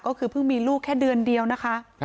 ก็คือเพิ่งมีลูกแค่เดือนเดียวนะคะ